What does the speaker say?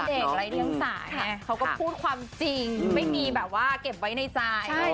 พำเด็กอะไรเรียงสายล่ะพวกเขาก็พูดความจริงไม่เก็บไว้ในใจ